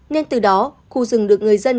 nên từ đó khu rừng được người dân